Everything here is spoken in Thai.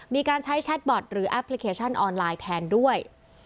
มีการใช้แชทบอร์ดหรือแอปพลิเคชันออนไลน์แทนด้วย